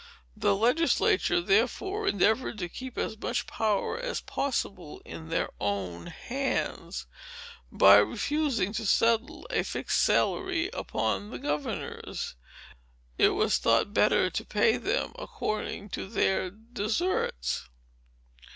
The legislature, therefore, endeavored to keep as much power as possible in their own hands, by refusing to settle a fixed salary upon the governors. It was thought better to pay them according to their deserts."